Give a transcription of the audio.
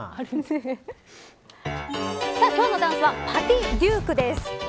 さあ今日のダンスはパティデュークです。